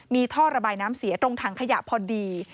มีท่อระบายน้ำเสียตรงถังขยะพอดี